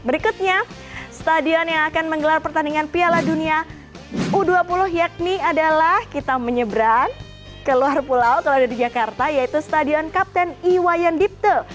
berikutnya stadion yang akan menggelar pertandingan piala dunia u dua puluh yakni adalah kita menyebrang ke luar pulau kalau ada di jakarta yaitu stadion kapten iwayan dipte